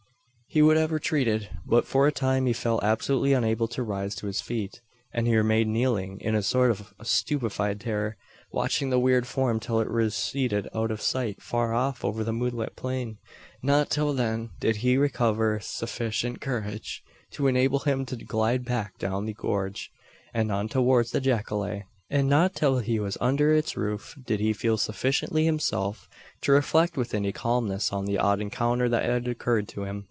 He would have retreated; but, for a time, he felt absolutely unable to rise to his feet; and he remained kneeling, in a sort of stupefied terror watching the weird form till it receded out of sight far off over the moonlit plain. Not till then did he recover sufficient courage, to enable him to glide back down the gorge, and on towards the jacale. And not till he was under its roof, did he feel sufficiently himself, to reflect with any calmness on the odd encounter that had occurred to him.